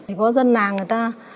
thì có dân làng người ta